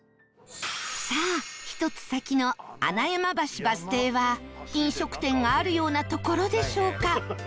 さあ１つ先の穴山橋バス停は飲食店があるような所でしょうか？